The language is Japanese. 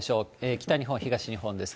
北日本、東日本です。